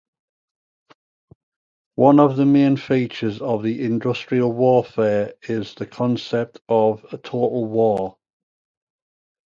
One of the main features of industrial warfare is the concept of "total war".